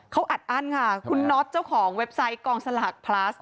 เขาอัดอั้นค่ะคุณน็อตเจ้าของเว็บไซต์กองสลากพลัส